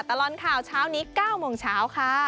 ตลอดข่าวเช้านี้๙โมงเช้าค่ะ